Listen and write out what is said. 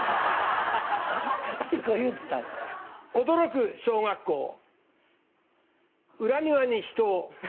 驚く小学校。